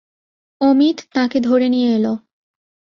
অমিত তাঁকে ধরে নিয়ে এল।